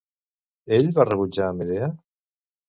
Ell va rebutjar a Medea?